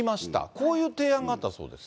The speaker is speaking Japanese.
こういう提案があったそうです。